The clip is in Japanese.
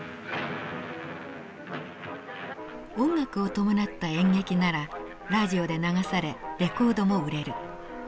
音楽を伴った演劇ならラジオで流されレコードも売れる。